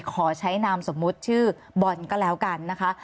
ขอใช้นามสมมุติชื่อบอลก็แล้วกันนะคะ